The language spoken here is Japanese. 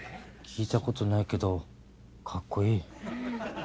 聞いたことないけどかっこいい。